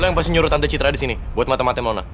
lo yang pasti nyuruh tante citra disini buat mata matanya mona